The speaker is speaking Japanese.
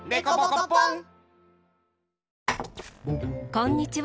こんにちは。